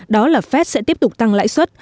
đó là fed sẽ tiếp tục tăng lãi suất